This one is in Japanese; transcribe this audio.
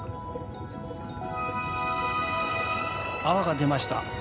泡が出ました！